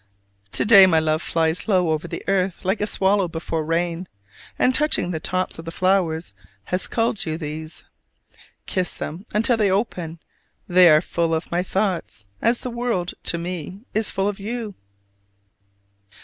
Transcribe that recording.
To day my love flies low over the earth like a swallow before rain, and touching the tops of the flowers has culled you these. Kiss them until they open: they are full of my thoughts, as the world, to me, is full of you.